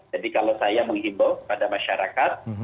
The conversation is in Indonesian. jadi kalau saya menghibur pada masyarakat